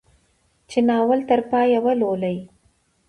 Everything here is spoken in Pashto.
چې ناول تر پايه ولولي.